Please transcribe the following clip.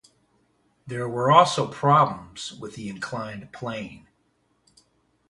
There were also problems with the inclined plane.